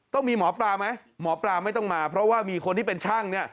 ต้องมีหมอปลาไหมหมอปลาไม่ต้องมาเพราะว่ามีคนที่เป็นช่างเนี่ย